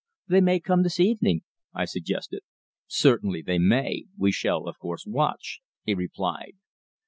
"They may come this evening," I suggested. "Certainly they may. We shall, of course, watch," he replied.